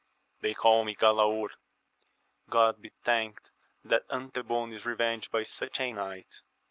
— They call me Galaor. — God be thanked that Antebon is revenged by such a knight